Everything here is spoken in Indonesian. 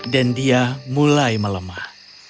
dan dia mulai melemah